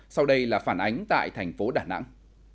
sau đây là phản ánh tại thành phố đà nẵng